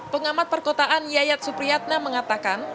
pengamat perkotaan yayat supriyatna mengatakan